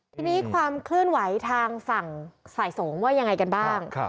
ทีนี้ความเคลื่อนไหวทางฝั่งฝ่ายสงฆ์ว่ายังไงกันบ้าง